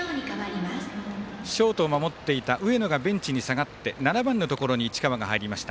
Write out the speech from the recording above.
ショートを守っていた上野がベンチに下がって７番のところに市川が入りました。